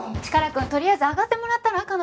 チカラくんとりあえず上がってもらったら？